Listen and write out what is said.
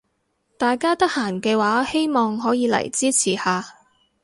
大家得閒嘅話希望可以嚟支持下